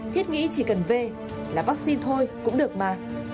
thiết nghĩ chỉ cần v là vaccine thôi cũng được mà